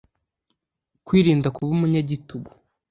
kwirinda kuba umunyagitugu;